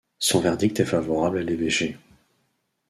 Son verdict est favorable à l’évêché.